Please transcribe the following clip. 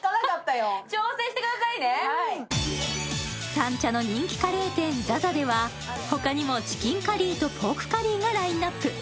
三茶の人気カレー店ＺＡＺＡでは、ほかにもチキンカリーとポークカリーがラインナップ。